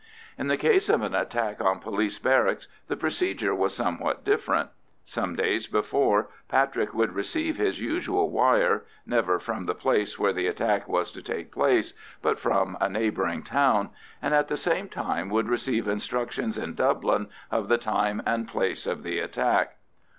In the case of an attack on police barracks the procedure was somewhat different. Some days before Patrick would receive his usual wire—never from the place where the attack was to take place, but from a neighbouring town—and at the same time would receive instructions in Dublin of the time and place of the attack.